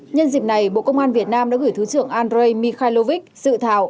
nhân dịp này bộ công an việt nam đã gửi thứ trưởng andrei mikhailovich dự thảo